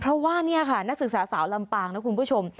เพราะว่านี่ค่ะนักศึกษาสาวลำปางนะคุณผู้ชม